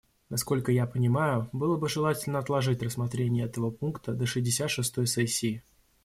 Насколько я понимаю, было бы желательно отложить рассмотрение этого пункта до шестьдесят шестой сессии.